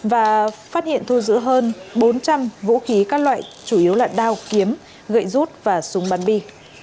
và phát hiện thu giữ hơn bốn trăm linh vũ khí các loại chủ yếu là đao kiếm gậy rút và súng bắn bi